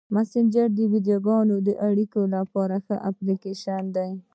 مسېنجر د ویډیويي اړیکو لپاره ښه اپلیکیشن دی.